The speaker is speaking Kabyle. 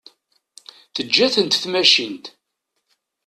Teǧǧa-tent tmacint.